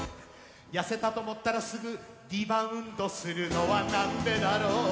「痩せたと思ったらすぐリバウンドするのはなんでだろう」